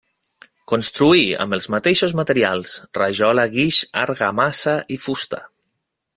Construí amb els mateixos materials: rajola, guix, argamassa i fusta.